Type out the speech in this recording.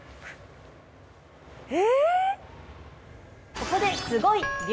ここで。